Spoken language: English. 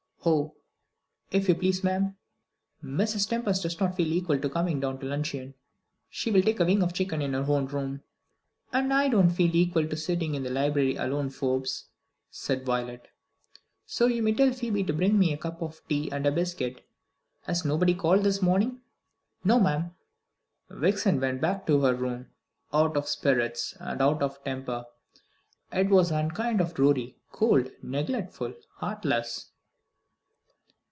"Oh, if you please, ma'am, Mrs. Tempest does not feel equal to coming down to luncheon. She will take a wing of chicken in her own room." "And I don't feel equal to sitting in the library alone, Forbes," said Violet; "so you may tell Phoebe to bring me a cup of tea and a biscuit. Has nobody called this morning?" "No, ma'am." Vixen went back to her room, out of spirits and out of temper. It was unkind of Rorie, cold, neglectful, heartless.